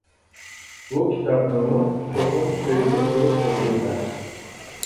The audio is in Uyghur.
بۇ كىتابنىمۇ چوقۇم سۆيۈنۈپ تۇرۇپ ئوقۇيمەن.